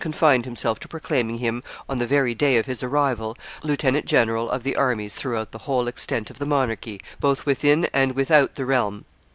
confined himself to proclaiming him, on the very day of his arrival, lieutenant general of the armies throughout the whole extent of the monarchy, both within and without the realm.